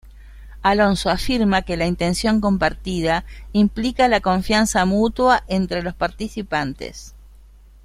Alonso afirma que la intención compartida implica la confianza mutua entre los participantes.